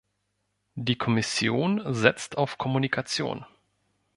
Die Kommission setzt auf Kommunikation.